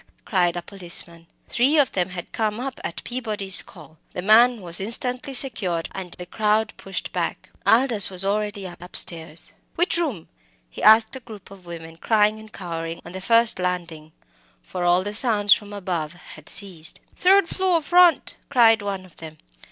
cried a policeman. Three of them had come up at Peabody's call. The man was instantly secured, and the crowd pushed back. Aldous was already upstairs. "Which room?" he asked of a group of women crying and cowering on the first landing for all sounds from above had ceased. "Third floor front," cried one of them.